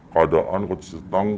keadaan kuncinya setang